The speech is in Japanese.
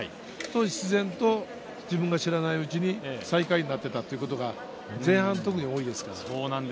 自然と自分が知らないうちに最下位になっていたということが前半特に多いです。